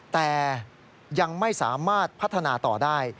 แต่ยังไม่สามารถพัฒนาต่อได้